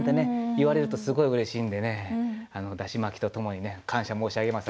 言われるとすごいうれしいんでねだし巻きとともにね感謝申し上げます。